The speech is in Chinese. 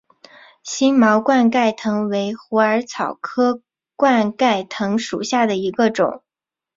星毛冠盖藤为虎耳草科冠盖藤属下的一个种。